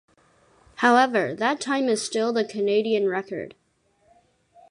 However, that time is still the Canadian record.